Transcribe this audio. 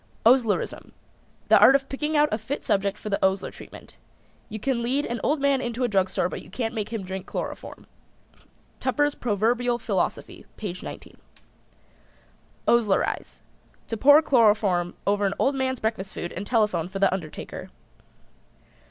OSLERISM. The art of picking out a fit subject for the Osler treatment. "You can lead an old man into a drugstore but you can't make him drink chloroform." (Tupper's Proverbial Philosophy, page 19.) OSLERIZE. To pour chloroform over an old man's breakfast food and telephone for the undertaker.